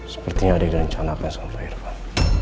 sepertinya ada rencana akan sempurna irvan